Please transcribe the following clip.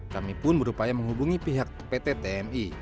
kami pun berupaya menghubungi pihak pt tmi